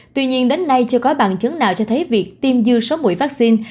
tuy nhiên đến nay chưa có bằng chứng nào cho thấy việc tiêm dư số mũi vaccine